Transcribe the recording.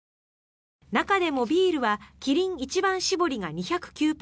中でもビールはキリン一番搾りが２０９％